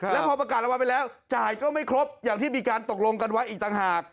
แล้วพอประกาศรางวัลไปแล้วจ่ายก็ไม่ครบอย่างที่มีการตกลงกันไว้อีกต่างหาก